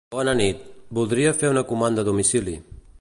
Bona nit, volia fer una comanda a domicili.